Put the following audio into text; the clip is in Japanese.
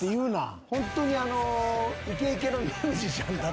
ホントに。